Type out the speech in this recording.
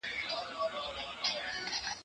نا امیده له قاضي له حکومته